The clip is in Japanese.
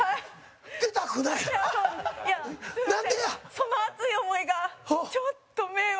その熱い思いがちょっと迷惑。